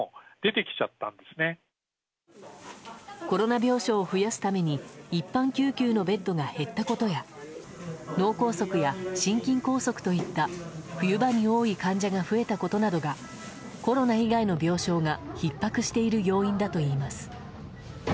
コロナ病床を増やすために一般救急のベッドが減ったことや脳梗塞や心筋梗塞といった冬場に多い患者が増えたことがコロナ以外の病床がひっ迫している要因だといいます。